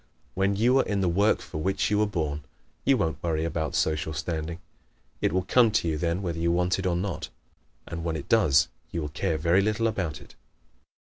When you are in the work for which you were born you won't worry about social standing. It will come to you then whether you want it or not. And when it does you will care very little about it.